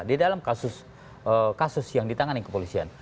di dalam kasus yang ditangani kepolisian